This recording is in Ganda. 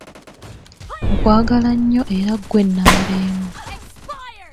Nkwagala nnyo era ggwe nnamba emu.